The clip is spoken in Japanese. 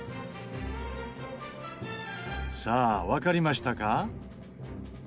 さあわかりましたか？